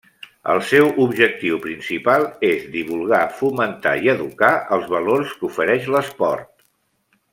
El seu objectiu principal és divulgar, fomentar, i educar els valors que ofereix l'esport.